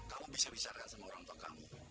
kamu bisa bicarakan sama orang tua kamu